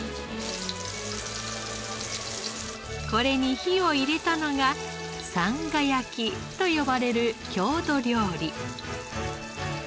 これに火を入れたのがさんが焼きと呼ばれる郷土料理。